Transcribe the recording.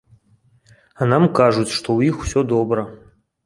А нам кажуць, што ў іх усё добра.